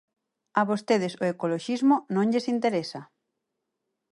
A vostedes o ecoloxismo non lles interesa.